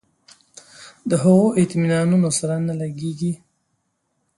د هغو اطمینانونو سره نه لګېږي.